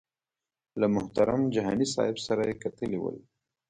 له محترم جهاني صاحب سره یې کتلي ول.